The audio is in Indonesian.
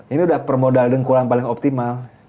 ini udah permodal dan kurang paling optimal